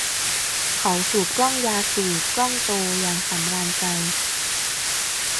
เขาสูบกล้องยาสูบกล้องโตอย่างสำราญใจ